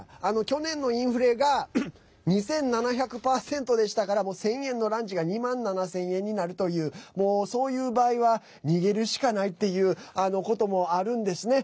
去年のインフレが２７００％でしたから１０００円のランチが２万７０００円になるというそういう場合は逃げるしかないっていうこともあるんですね。